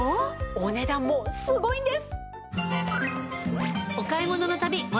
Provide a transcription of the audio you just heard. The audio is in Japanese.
お値段もすごいんです！